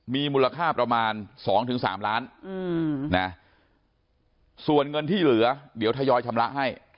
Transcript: มีมูลค่าประมาณ๒๓ล้านส่วนเงินที่เหลือเดี๋ยวทยอยชำระให้